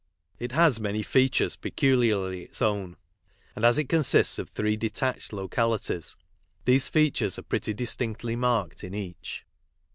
It has many features peculiarly its own, and as it consists of three de tached localities, these features are pretty distinctly marked in each.